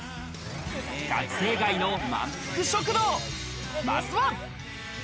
学生街のまんぷく食堂、まずは。